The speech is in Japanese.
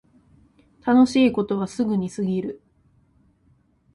楽しいことはすぐに過ぎる